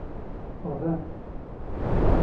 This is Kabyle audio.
Ɣban.